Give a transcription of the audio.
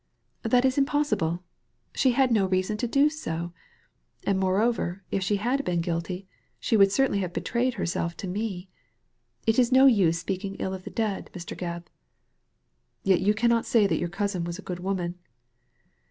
"That is impossible. She had no reason to do so ; and moreover if she had been guilty, she would certainly have betrayed herself to me. It is no use speaking ill of the dead, Mr. Gebb.'* ''Yet you cannot say that your cousin was a good woman.'